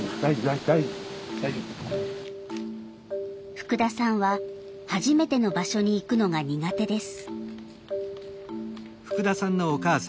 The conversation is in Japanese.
福田さんは初めての場所に行くのが苦手です。